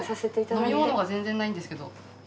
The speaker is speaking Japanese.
飲み物が全然ないんですけど。